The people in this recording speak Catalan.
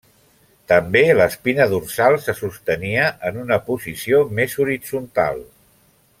També l'espina dorsal se sostenia en una posició més horitzontal.